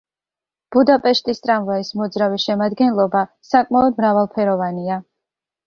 ბუდაპეშტის ტრამვაის მოძრავი შემადგენლობა საკმაოდ მრავალფეროვანია.